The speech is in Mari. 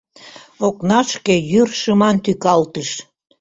Окнашке йӱр шыман тӱкалтыш.